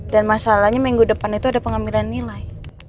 dan masalahnya minggu depan itu ada pengambilan nilai